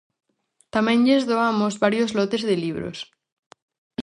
Tamén lles doamos varios lotes de libros.